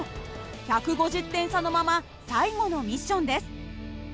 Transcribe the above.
１５０点差のまま最後のミッションです。